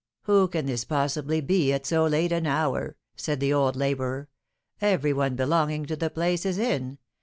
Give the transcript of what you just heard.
"Who can this possibly be at so late an hour?" said the old labourer; "every one belonging to the place is in.